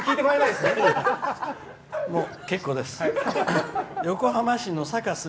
もう結構です。